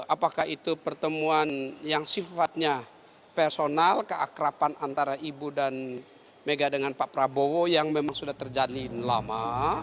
apakah itu pertemuan yang sifatnya personal keakrapan antara ibu dan mega dengan pak prabowo yang memang sudah terjalin lama